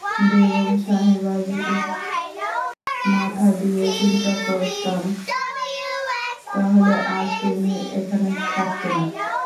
বেগম সাহেবা, যদি মাথা দিয়ে চিন্তা করতাম তাহলে আজ তুমি এখানে থাকতে না।